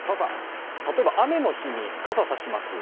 たとえば雨の日に傘差します。